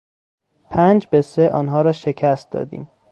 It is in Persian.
پنج به سه آنها را شکست دادیم.